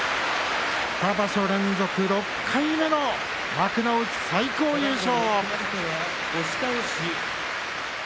２場所連続６回目の幕内最高優勝。